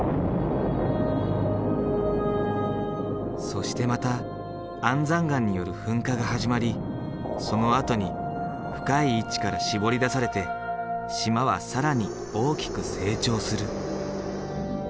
そしてまた安山岩による噴火が始まりそのあとに深い位置からしぼり出されて島は更に大きく成長する。